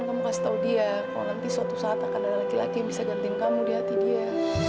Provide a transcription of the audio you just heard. kamu kasih tau dia kalau nanti suatu saat akan ada laki laki yang bisa ganti kamu di hati dia